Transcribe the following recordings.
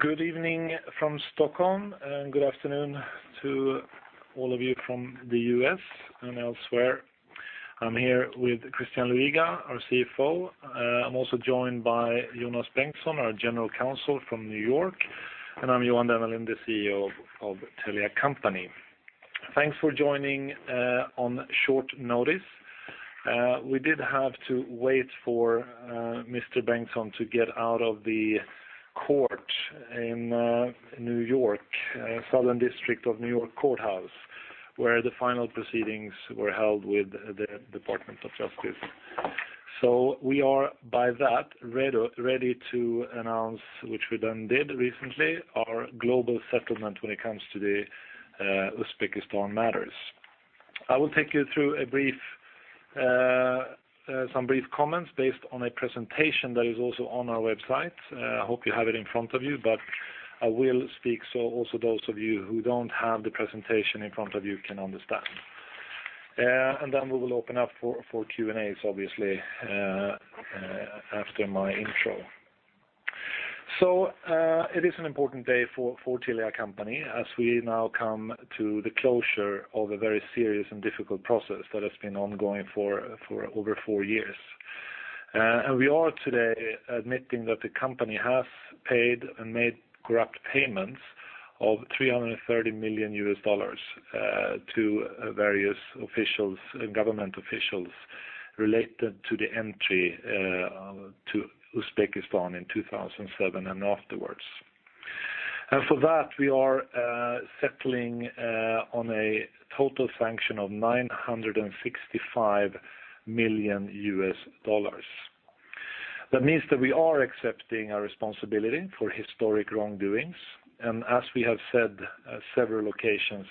Good evening from Stockholm, and good afternoon to all of you from the U.S. and elsewhere. I'm here with Christian Luiga, our CFO. I'm also joined by Jonas Bengtsson, our General Counsel from New York. I'm Johan Dennelind, the CEO of Telia Company. Thanks for joining on short notice. We did have to wait for Mr. Bengtsson to get out of the court in New York, Southern District of New York courthouse, where the final proceedings were held with the Department of Justice. We are, by that, ready to announce, which we then did recently, our global settlement when it comes to the Uzbekistan matters. I will take you through some brief comments based on a presentation that is also on our website. I hope you have it in front of you, but I will speak so also those of you who don't have the presentation in front of you can understand. We will open up for Q&As, obviously, after my intro. It is an important day for Telia Company as we now come to the closure of a very serious and difficult process that has been ongoing for over four years. We are today admitting that the company has paid and made corrupt payments of $330 million to various government officials related to the entry to Uzbekistan in 2007 and afterwards. For that, we are settling on a total sanction of $965 million. That means that we are accepting our responsibility for historic wrongdoings. As we have said several occasions,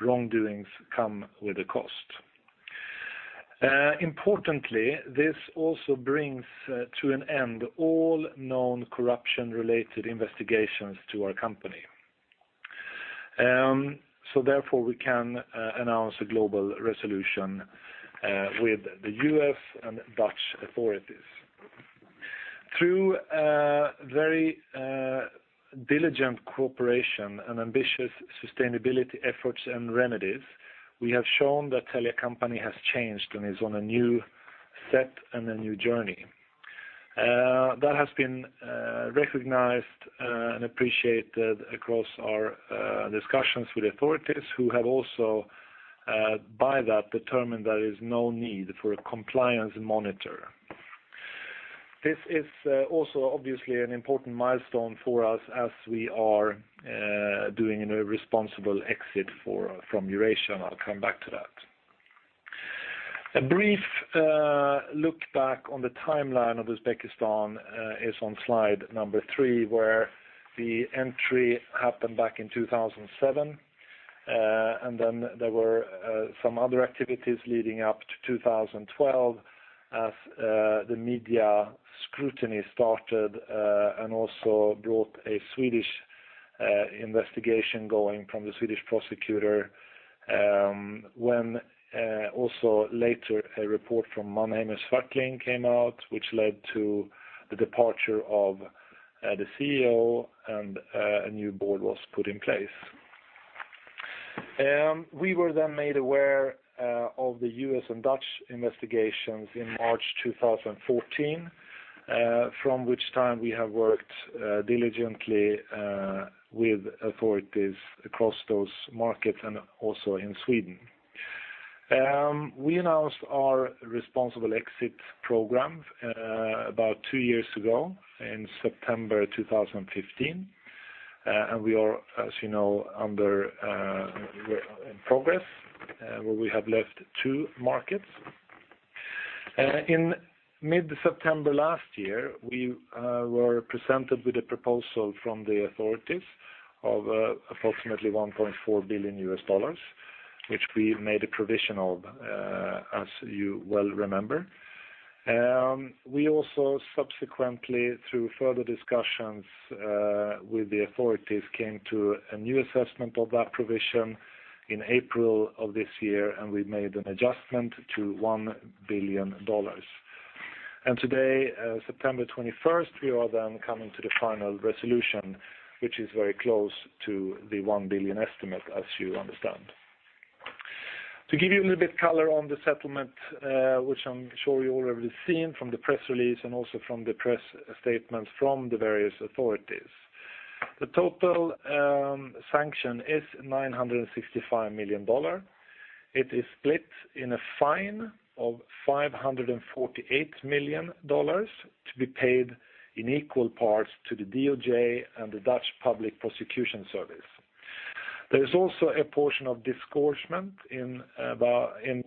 wrongdoings come with a cost. Importantly, this also brings to an end all known corruption-related investigations to our company. Therefore we can announce a global resolution with the U.S. and Dutch authorities. Through very diligent cooperation and ambitious sustainability efforts and remedies, we have shown that Telia Company has changed and is on a new set and a new journey. That has been recognized and appreciated across our discussions with authorities who have also, by that, determined there is no need for a compliance monitor. This is also obviously an important milestone for us as we are doing a responsible exit from Eurasia, and I'll come back to that. A brief look back on the timeline of Uzbekistan is on slide number three, where the entry happened back in 2007. There were some other activities leading up to 2012 as the media scrutiny started and also brought a Swedish investigation going from the Swedish prosecutor, when also later a report from Mannheimer Swartling came out, which led to the departure of the CEO and a new board was put in place. We were then made aware of the U.S. and Dutch investigations in March 2014, from which time we have worked diligently with authorities across those markets and also in Sweden. We announced our responsible exit program about two years ago in September 2015. We are, as you know, in progress, where we have left two markets. In mid-September last year, we were presented with a proposal from the authorities of approximately $1.4 billion U.S., which we made a provision of, as you well remember. We also subsequently, through further discussions with the authorities, came to a new assessment of that provision in April of this year, we made an adjustment to $1 billion. Today, September 21st, we are coming to the final resolution, which is very close to the $1 billion estimate, as you understand. To give you a little bit of color on the settlement, which I'm sure you already have seen from the press release and also from the press statements from the various authorities. The total sanction is $965 million. It is split in a fine of $548 million to be paid in equal parts to the DOJ and the Dutch Public Prosecution Service. There is also a portion of disgorgement in $457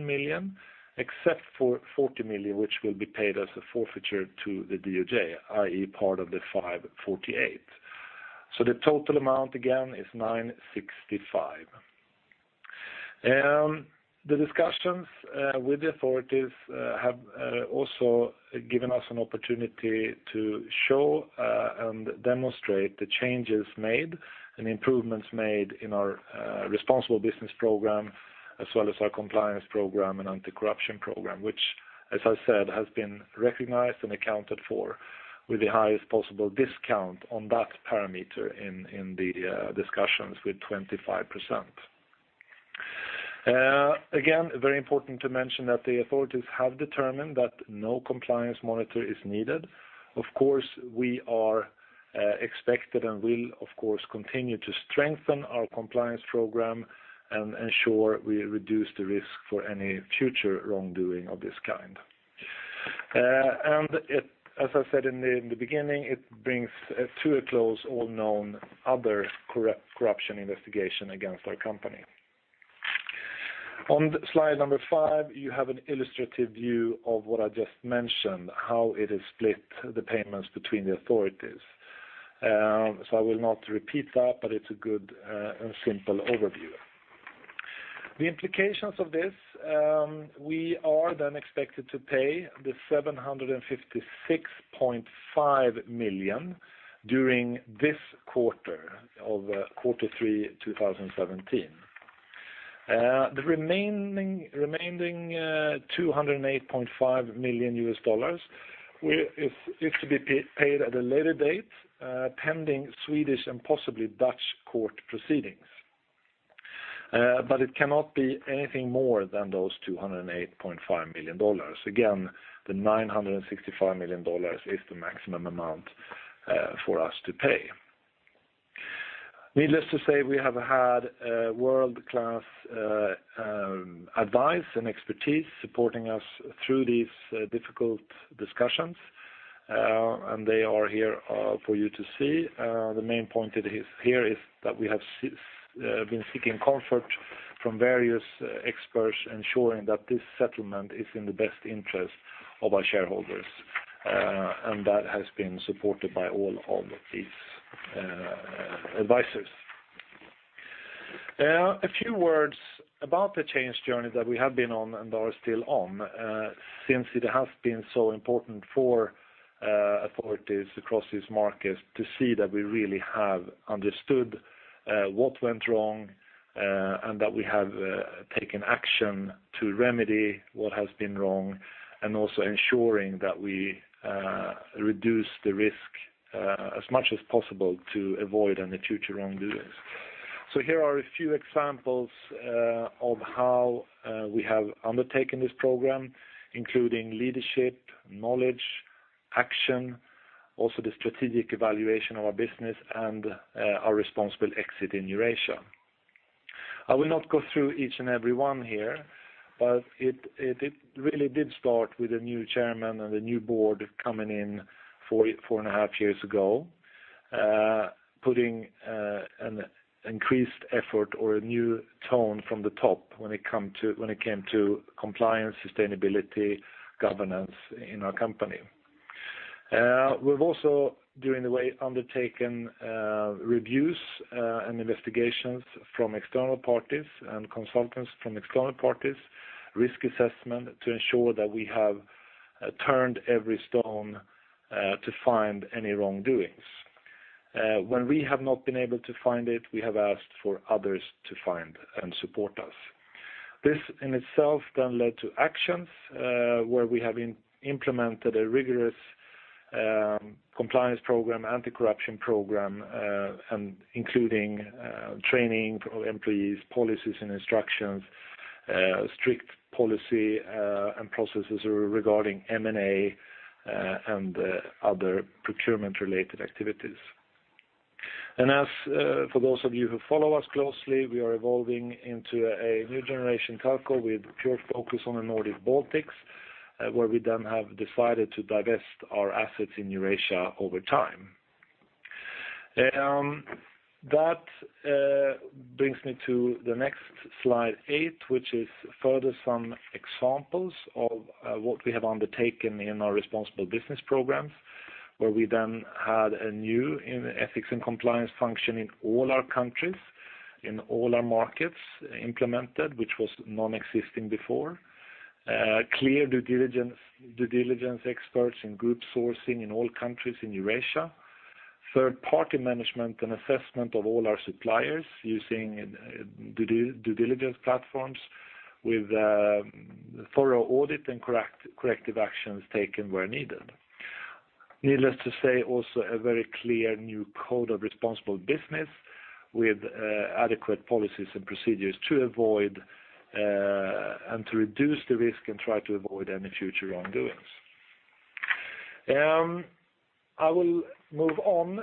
million, except for $40 million, which will be paid as a forfeiture to the DOJ, i.e., part of the $548. The total amount, again, is $965. The discussions with the authorities have also given us an opportunity to show and demonstrate the changes made and improvements made in our responsible business program, as well as our compliance program and anti-corruption program, As I said, has been recognized and accounted for with the highest possible discount on that parameter in the discussions with 25%. Again, very important to mention that the authorities have determined that no compliance monitor is needed. Of course, we are expected and will, of course, continue to strengthen our compliance program and ensure we reduce the risk for any future wrongdoing of this kind. As I said in the beginning, it brings to a close all known other corruption investigation against our company. On slide number five, you have an illustrative view of what I just mentioned, how it is split the payments between the authorities. I will not repeat that, but it's a good and simple overview. The implications of this, we are expected to pay the $756.5 million during this quarter, of quarter three 2017. The remaining $208.5 million is to be paid at a later date, pending Swedish and possibly Dutch court proceedings. It cannot be anything more than those $208.5 million. Again, the $965 million is the maximum amount for us to pay. Needless to say, we have had world-class advice and expertise supporting us through these difficult discussions, and they are here for you to see. The main point here is that we have been seeking comfort from various experts, ensuring that this settlement is in the best interest of our shareholders, and that has been supported by all of these advisors. A few words about the change journey that we have been on and are still on, since it has been so important for authorities across these markets to see that we really have understood what went wrong and that we have taken action to remedy what has been wrong, and also ensuring that we reduce the risk as much as possible to avoid any future wrongdoings. Here are a few examples of how we have undertaken this program, including leadership, knowledge, action, also the strategic evaluation of our business, and our responsible exit in Eurasia. It really did start with a new chairman and a new board coming in four and a half years ago, putting an increased effort or a new tone from the top when it came to compliance, sustainability, governance in our company. We've also, during the way, undertaken reviews and investigations from external parties and consultants from external parties, risk assessment to ensure that we have turned every stone to find any wrongdoings. When we have not been able to find it, we have asked for others to find and support us. This in itself led to actions where we have implemented a rigorous compliance program, anti-corruption program, including training of employees, policies and instructions, strict policy and processes regarding M&A and other procurement-related activities. As for those of you who follow us closely, we are evolving into a new generation Telco with pure focus on the Nordic-Baltics, where we then have decided to divest our assets in Eurasia over time. That brings me to the next slide eight, which is further some examples of what we have undertaken in our responsible business programs, where we then had a new ethics and compliance function in all our countries, in all our markets implemented, which was non-existing before. Clear due diligence experts in group sourcing in all countries in Eurasia. Third-party management and assessment of all our suppliers using due diligence platforms with thorough audit and corrective actions taken where needed. Needless to say, also a very clear new code of responsible business with adequate policies and procedures to avoid and to reduce the risk and try to avoid any future wrongdoings. I will move on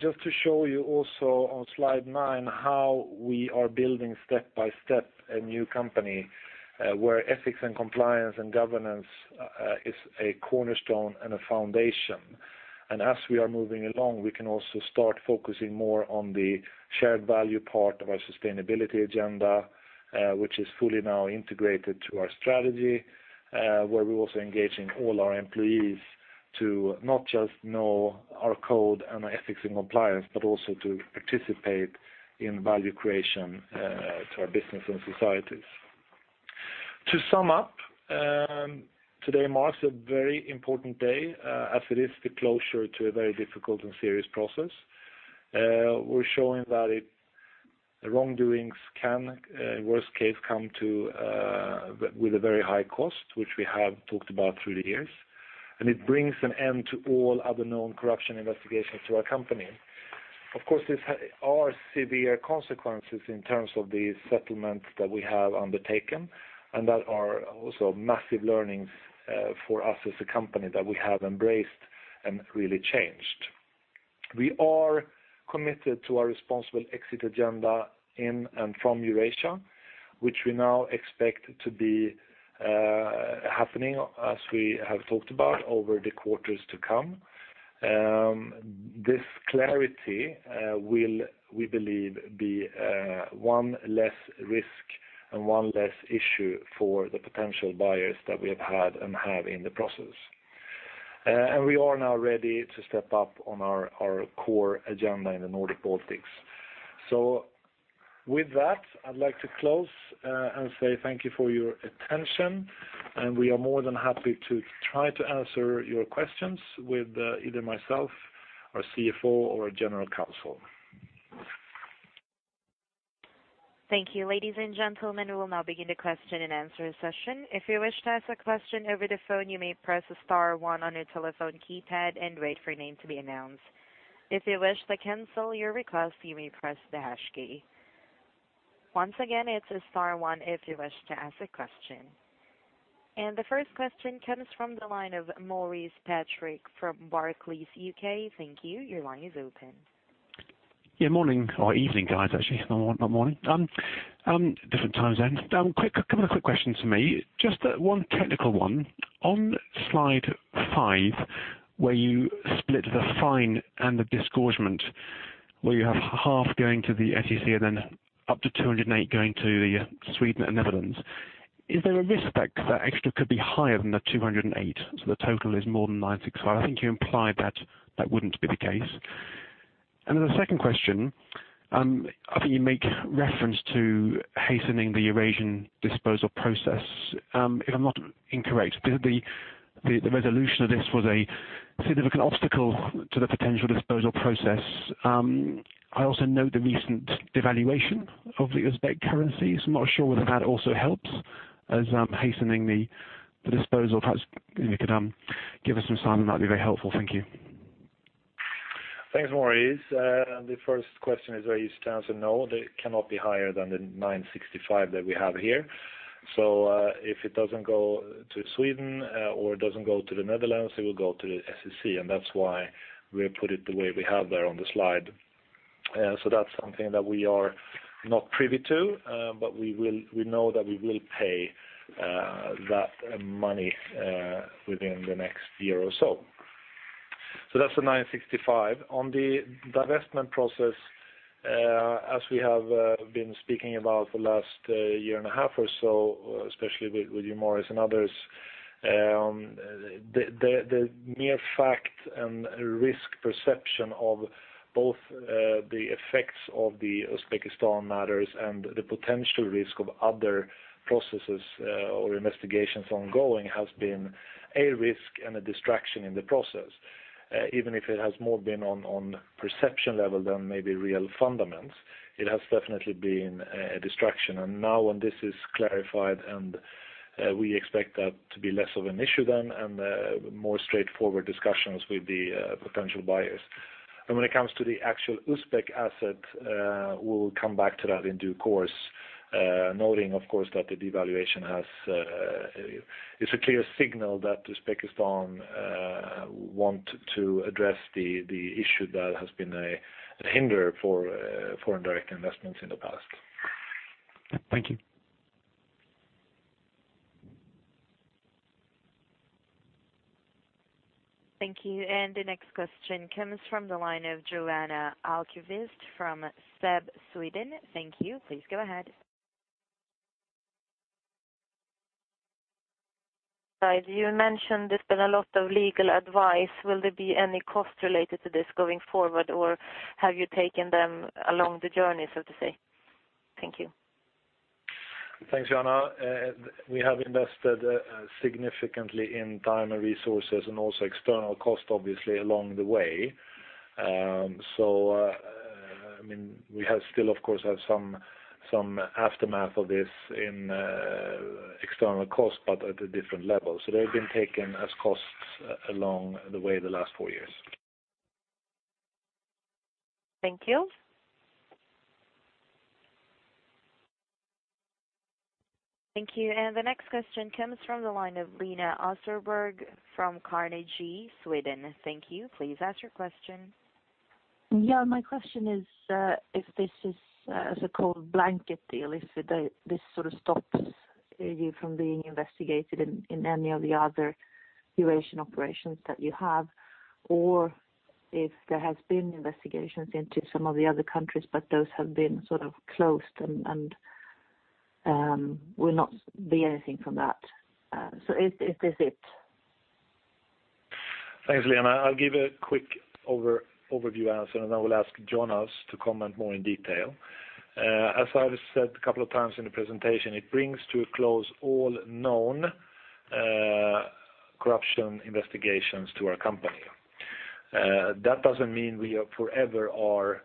just to show you also on slide nine how we are building step by step a new company where ethics and compliance and governance is a cornerstone and a foundation. As we are moving along, we can also start focusing more on the shared value part of our sustainability agenda which is fully now integrated to our strategy where we're also engaging all our employees to not just know our code and ethics and compliance, but also to participate in value creation to our business and societies. To sum up, today marks a very important day as it is the closure to a very difficult and serious process. We're showing that the wrongdoings can, worst case, come with a very high cost, which we have talked about through the years, and it brings an end to all other known corruption investigations to our company. Of course, these are severe consequences in terms of the settlements that we have undertaken, and that are also massive learnings for us as a company that we have embraced and really changed. We are committed to our responsible exit agenda in and from Eurasia, which we now expect to be happening, as we have talked about, over the quarters to come. This clarity will, we believe, be one less risk and one less issue for the potential buyers that we have had and have in the process. We are now ready to step up on our core agenda in the Nordic-Baltics. With that, I'd like to close and say thank you for your attention, and we are more than happy to try to answer your questions with either myself or CFO or General Counsel. Thank you. Ladies and gentlemen, we will now begin the question and answer session. If you wish to ask a question over the phone, you may press star one on your telephone keypad and wait for your name to be announced. If you wish to cancel your request, you may press the hash key. Once again, it's star one if you wish to ask a question. The first question comes from the line of Maurice Patrick from Barclays U.K. Thank you. Your line is open. Yeah. Morning or evening, guys, actually. Not morning. Different time zones. A couple of quick questions from me, just one technical one. On slide five, where you split the fine and the disgorgement, where you have half going to the SEC and then up to $208 going to Sweden and the Netherlands, is there a risk that extra could be higher than the $208, so the total is more than $965? I think you implied that that wouldn't be the case. The second question, I think you make reference to hastening the Eurasian disposal process, if I'm not incorrect. The resolution of this was a significant obstacle to the potential disposal process. I also note the recent devaluation of the Uzbek currency, so I'm not sure whether that also helps as hastening the disposal. Perhaps you could give us some sign, and that'd be very helpful. Thank you. Thanks, Maurice. The first question is very easy to answer. No, they cannot be higher than the $965 that we have here. If it doesn't go to Sweden or it doesn't go to the Netherlands, it will go to the SEC, and that's why we put it the way we have there on the slide. That's something that we are not privy to, but we know that we will pay that money within the next year or so. That's the $965. On the divestment process, as we have been speaking about the last year and a half or so, especially with you, Maurice, and others, the mere fact and risk perception of both the effects of the Uzbekistan matters and the potential risk of other processes or investigations ongoing has been a risk and a distraction in the process. Even if it has more been on perception level than maybe real fundamentals, it has definitely been a distraction. Now when this is clarified and we expect that to be less of an issue then and more straightforward discussions with the potential buyers. When it comes to the actual Uzbek asset, we'll come back to that in due course, noting, of course, that the devaluation is a clear signal that Uzbekistan want to address the issue that has been a hinder for foreign direct investments in the past. Thank you. Thank you. The next question comes from the line of Johanna Ahlqvist from SEB Sweden. Thank you. Please go ahead. You mentioned there's been a lot of legal advice. Will there be any cost related to this going forward, or have you taken them along the journey, so to say? Thank you. Thanks, Johanna. We have invested significantly in time and resources and also external cost, obviously, along the way. We still, of course, have some aftermath of this in external cost, but at a different level. They've been taken as costs along the way the last four years. Thank you. Thank you. The next question comes from the line of Lena Östberg from Carnegie Sweden. Thank you. Please ask your question. Yeah. My question is if this is a so-called blanket deal, if this sort of stops you from being investigated in any of the other Eurasian operations that you have, or if there has been investigations into some of the other countries, but those have been sort of closed and will not be anything from that. Is this it? Thanks, Lena. I'll give a quick overview answer, then I will ask Jonas to comment more in detail. As I said a couple of times in the presentation, it brings to a close all known corruption investigations to our company. That doesn't mean we are forever are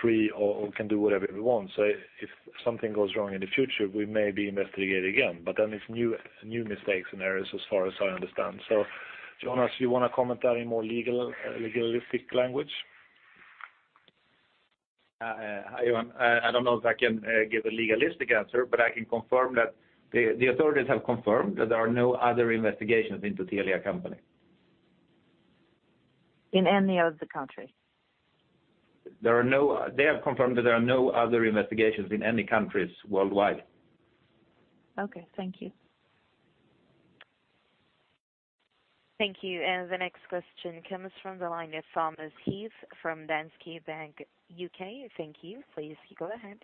free or can do whatever we want. If something goes wrong in the future, we may be investigated again, then it's new mistake scenarios as far as I understand. Jonas, you want to comment that in more legalistic language? Hi, Johan. I don't know if I can give a legalistic answer, I can confirm that the authorities have confirmed that there are no other investigations into Telia Company. In any of the countries? They have confirmed that there are no other investigations in any countries worldwide. Okay. Thank you. Thank you. The next question comes from the line of Thomas Heath from Danske Bank, U.K. Thank you. Please go ahead.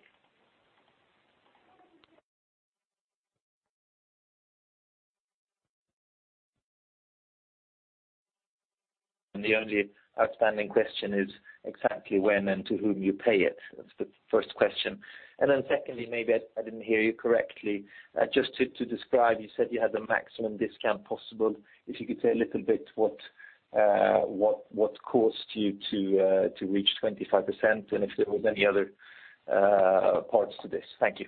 The only outstanding question is exactly when and to whom you pay it. That is the first question. Secondly, maybe I didn't hear you correctly. Just to describe, you said you had the maximum discount possible. If you could say a little bit what caused you to reach 25% and if there was any other parts to this. Thank you.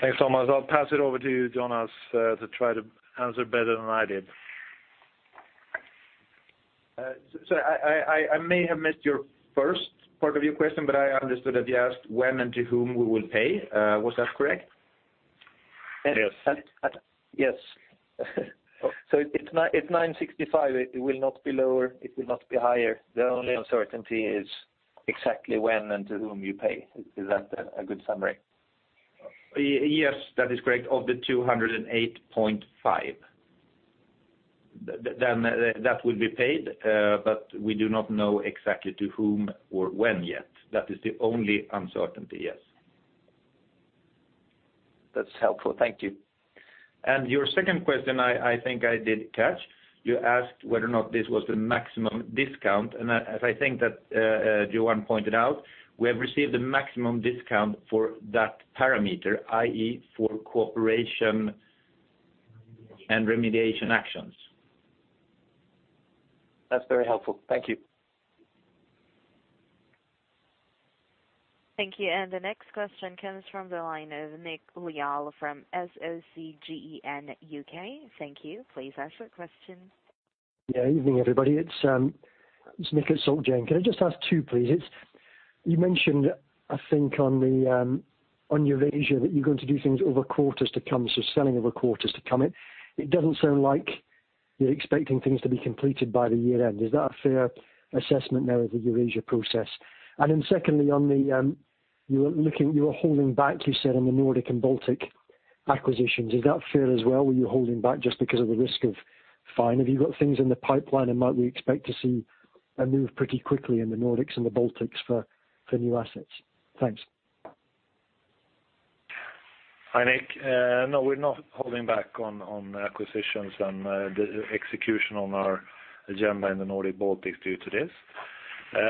Thanks, Thomas. I will pass it over to Jonas to try to answer better than I did. I may have missed your first part of your question, but I understood that you asked when and to whom we will pay. Was that correct? Yes. Yes. It is $965 million, it will not be lower, it will not be higher. The only uncertainty is exactly when and to whom you pay. Is that a good summary? Yes, that is correct. Of the $208.5 million. That will be paid, but we do not know exactly to whom or when yet. That is the only uncertainty, yes. That's helpful. Thank you. Your second question, I think I did catch. You asked whether or not this was the maximum discount, and as I think that Johan pointed out, we have received the maximum discount for that parameter, i.e., for cooperation and remediation actions. That's very helpful. Thank you. Thank you. The next question comes from the line of Nick Lyall from SOCGEN, U.K. Thank you. Please ask your question. Yeah. Evening, everybody. It's Nick at SOCGEN. Can I just ask two, please? You mentioned, I think on Eurasia that you're going to do things over quarters to come, so selling over quarters to come in. It doesn't sound like you're expecting things to be completed by the year-end. Is that a fair assessment now of the Eurasia process? Then secondly, on the, you were holding back, you said on the Nordic and Baltic acquisitions, is that fair as well? Were you holding back just because of the risk of fine? Have you got things in the pipeline and might we expect to see a move pretty quickly in the Nordics and the Baltics for new assets? Thanks. Hi, Nick. No, we're not holding back on acquisitions and the execution on our agenda in the Nordic Baltics due to this.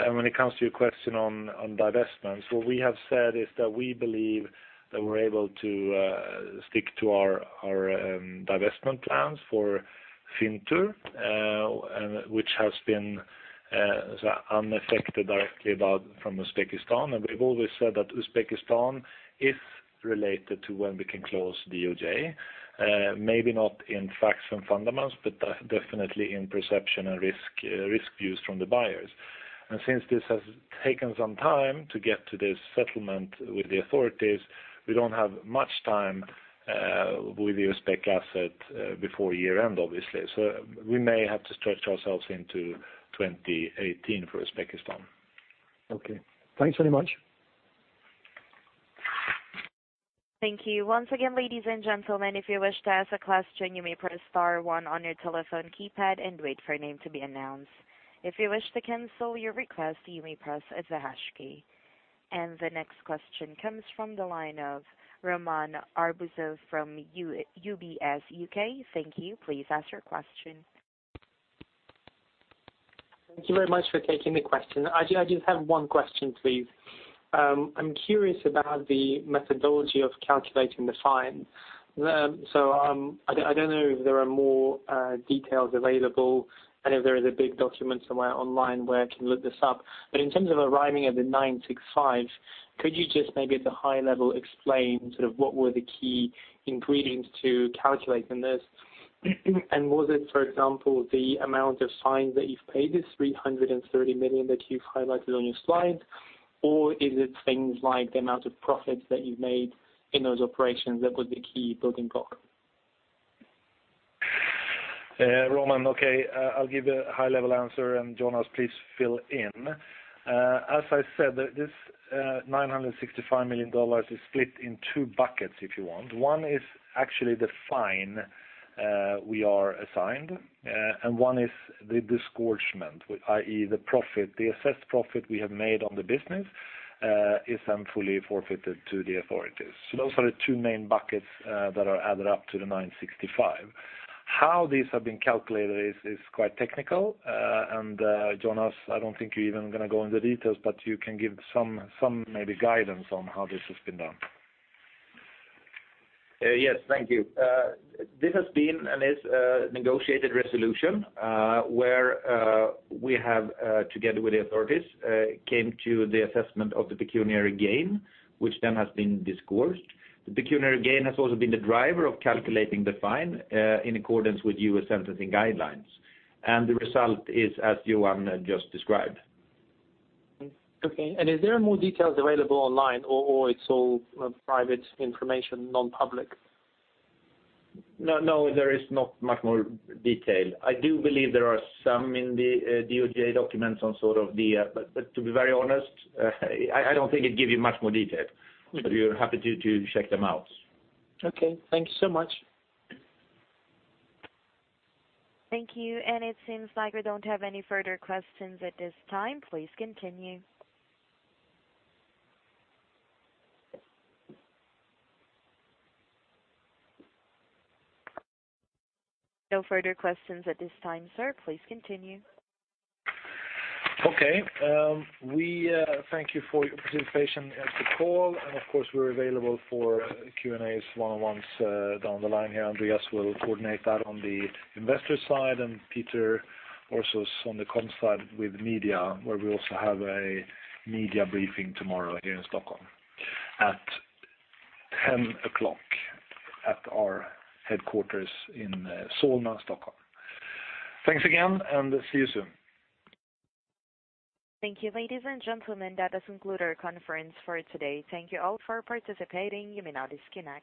When it comes to your question on divestments, what we have said is that we believe that we're able to stick to our divestment plans for Fintur, which has been unaffected directly from Uzbekistan. We've always said that Uzbekistan is related to when we can close DOJ, maybe not in facts and fundamentals, but definitely in perception and risk views from the buyers. Since this has taken some time to get to this settlement with the authorities, we don't have much time, with the Uzbek asset, before year-end, obviously. We may have to stretch ourselves into 2018 for Uzbekistan. Okay. Thanks very much. Thank you. Once again, ladies and gentlemen, if you wish to ask a question, you may press star one on your telephone keypad and wait for a name to be announced. If you wish to cancel your request, you may press the hash key. The next question comes from the line of Roman Arbuzov from UBS U.K. Thank you. Please ask your question. Thank you very much for taking the question. I just have one question, please. I'm curious about the methodology of calculating the fine. I don't know if there are more details available and if there is a big document somewhere online where I can look this up. In terms of arriving at the $965, could you just maybe at the high level explain sort of what were the key ingredients to calculating this? Was it, for example, the amount of fines that you've paid, this $330 million that you've highlighted on your slide? Or is it things like the amount of profits that you've made in those operations that was the key building block? Roman, okay. I'll give a high-level answer, and Jonas, please fill in. As I said, this $965 million is split in two buckets, if you want. One is actually the fine, we are assigned, and one is the disgorgement, i.e., the profit, the assessed profit we have made on the business, is then fully forfeited to the authorities. Those are the two main buckets that are added up to the $965. How these have been calculated is quite technical. Jonas, I don't think you're even going to go into details, but you can give some maybe guidance on how this has been done. Yes. Thank you. This has been and is a negotiated resolution, where we have, together with the authorities, came to the assessment of the pecuniary gain, which then has been disgorged. The pecuniary gain has also been the driver of calculating the fine, in accordance with U.S. sentencing guidelines. The result is, as Johan just described. Okay. Is there more details available online or it's all private information, non-public? No, there is not much more detail. I do believe there are some in the DOJ documents on sort of the to be very honest, I don't think it'd give you much more detail. You're happy to check them out. Okay. Thank you so much. Thank you. It seems like we don't have any further questions at this time. Please continue. No further questions at this time, sir. Please continue. Okay. We thank you for your participation in the call, and of course, we're available for Q&As one-on-ones down the line here. Andreas will coordinate that on the investor side, and Peter also is on the comms side with media, where we also have a media briefing tomorrow here in Stockholm at 10:00 A.M. at our headquarters in Solna, Stockholm. Thanks again, and see you soon. Thank you, ladies and gentlemen. That does conclude our conference for today. Thank you all for participating. You may now disconnect.